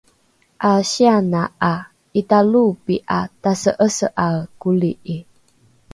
’asiana ’a italoopi’a tase’ese’ae koli’i